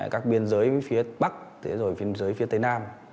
các biên giới phía bắc rồi biên giới phía tây nam